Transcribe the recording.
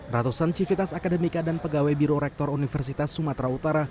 ratusan civitas akademika dan pegawai biro rektor universitas sumatera utara